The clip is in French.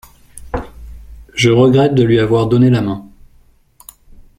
Je regrette de lui avoir donné la main.